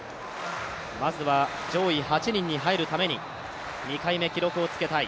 まずは上位８人に入るために２回目、記録をつけたい。